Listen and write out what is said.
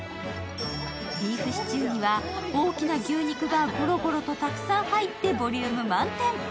ビーフシチューには大きな牛肉がごろごろとたくさんあってボリューム満点。